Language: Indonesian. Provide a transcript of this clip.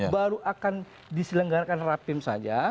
baru akan diselenggarakan rapim saja